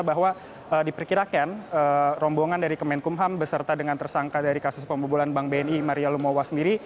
bahwa diperkirakan rombongan dari kemenkumham beserta dengan tersangka dari kasus pembobolan bank bni maria lumowa sendiri